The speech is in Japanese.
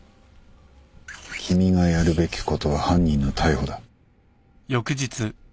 君がやるべきことは犯人の逮捕だ。